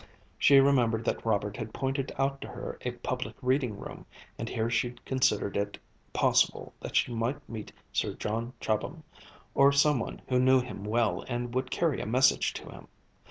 She remembered that Robert had pointed out to her a public reading room, and here she considered it possible that she might meet Sir John Chobham, or some one who knew him well and would carry a message to him.